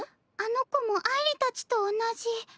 あの子もあいりたちと同じ。